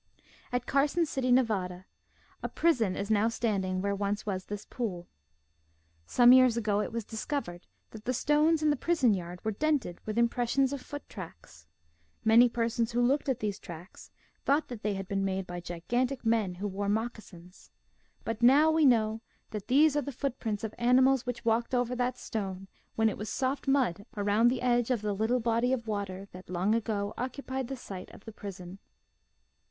At Carson City, Nevada, a prison is now stand ing where once was this pool. Some years ago it was discovered that the stones in the prison yard were dented with impressions of foot tracks. Many persons who looked at these tracks thought they had been made by gigantic men who wore mocca sins. But now we know that these are the foot 131 132 MIGHTY ANIMALS prints of animals which walked over that stone when it was soft mud around the edge of the little body of water that, long ago, occupied the site of the prison.